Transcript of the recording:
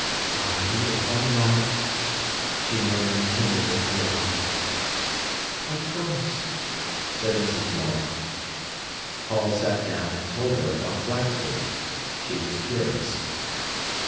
"Are you all right?" she murmured timidly to her mother. "Of course," said Mrs. Morel. Paul sat down and told her about Blackpool. She was curious.